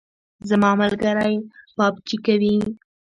زما ملګری پابجي کوي